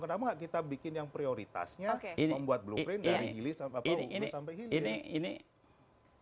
kenapa nggak kita bikin seperti prioritasnya membuat blueprint dari hilcing seperti yang itu